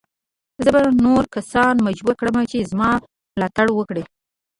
زه به نور کسان مجبور کړم چې زما ملاتړ وکړي.